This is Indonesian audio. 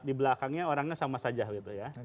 di belakangnya orangnya sama saja gitu ya